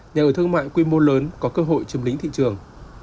nhà ở thương mại quy mô lớn có cơ hội chiếm lĩnh thị trường